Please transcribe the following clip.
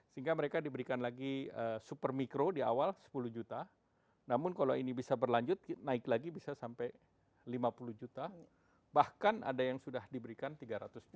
sehingga mereka diberikan lagi super mikro di awal sepuluh juta namun kalau ini bisa berlanjut naik lagi bisa sampai lima puluh juta bahkan ada yang sudah diberikan tiga ratus juta